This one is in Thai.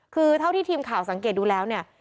คือเท่าที่ทีมข่าวสังเกตดูแล้วเนี่ย